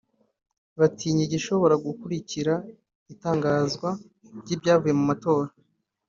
batinya igishobora gukurikira itangazwa ry’ibyavuye mu matora